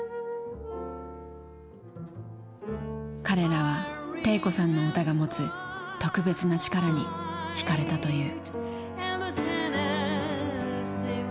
彼らは悌子さんの歌が持つ特別な力に引かれたという。